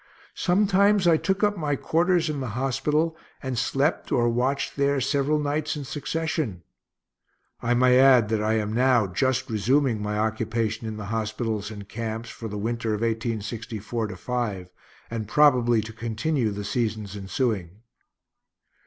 Sometimes I took up my quarters in the hospital, and slept or watched there several nights in succession. I may add that I am now just resuming my occupation in the hospitals and camps for the winter of 1864 5, and probably to continue the seasons ensuing.